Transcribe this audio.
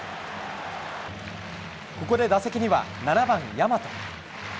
ここで打席には、７番大和。